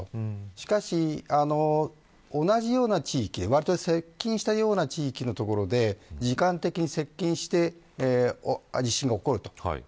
しかし、同じような地域で、わりと接近した地域で時間的に接近している地震が起こると。